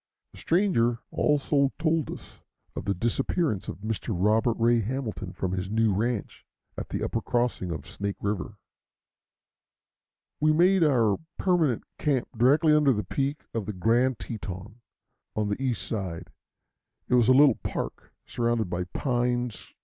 The stranger also told us of the disappearance of Mr. Robert Ray Hamilton from his new ranch at the upper crossing of Snake River. We made our permanent camp directly under the peak of the Grand Teton, on the east side. It was in a little park surrounded by pines.